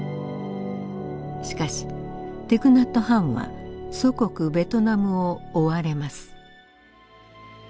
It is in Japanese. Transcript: しかしティク・ナット・ハンは祖国ベトナムを追われます。